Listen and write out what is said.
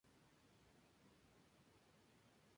Ganadería caballar y de reses bravas.